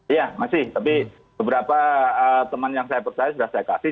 iya masih tapi beberapa teman yang saya percaya sudah saya kasih